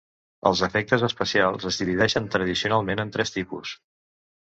Els efectes especials es divideixen tradicionalment en tres tipus.